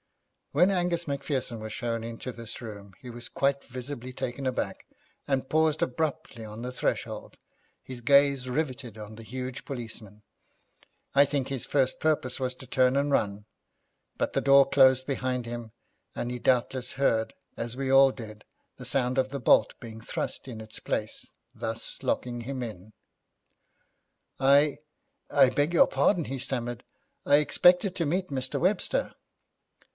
When Angus Macpherson was shown into this room he was quite visibly taken aback, and paused abruptly on the threshold, his gaze riveted on the huge policeman. I think his first purpose was to turn and run, but the door closed behind him, and he doubtless heard, as we all did, the sound of the bolt being thrust in its place, thus locking him in. 'I I beg your pardon,' he stammered, 'I expected to meet Mr. Webster.'